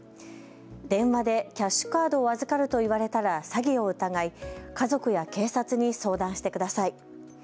電話でキャッシュカードを預かると言われたら詐欺を疑い家族や警察に相談してください。